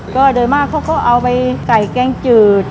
ก็โดยมากเขาก็เอาไปไก่แกงจืด